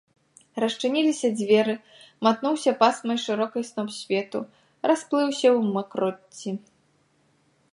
Расчыніліся дзверы, матнуўся пасмай шырокай сноп свету, расплыўся ў макроцці.